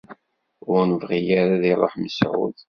Ur nebɣi ara ad iruḥ Mesεud.